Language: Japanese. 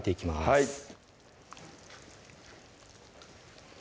はい